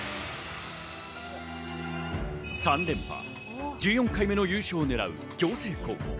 ３連覇、１４回目の優勝をねらう暁星高校。